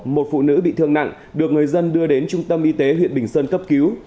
một phụ nữ bị thương nặng được người dân đưa đến trung tâm y tế huyện bình sơn cấp cứu